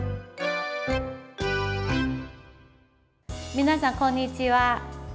皆さん、こんにちは。